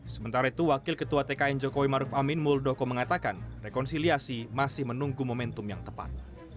sementara itu wakil ketua tkn jokowi maruf amin muldoko mengatakan rekonsiliasi masih menunggu momentum yang tepat